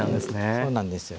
そうなんですよ。